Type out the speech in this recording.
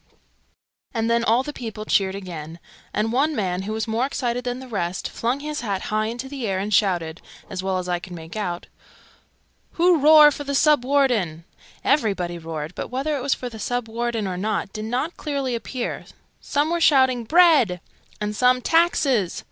and then all the people cheered again, and one man, who was more excited than the rest, flung his hat high into the air, and shouted (as well as I could make out) "Who roar for the Sub Warden?" Everybody roared, but whether it was for the Sub Warden, or not, did not clearly appear: some were shouting "Bread!" and some "Taxes!"